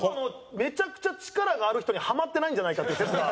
めちゃくちゃ力がある人にハマってないんじゃないかっていう説が。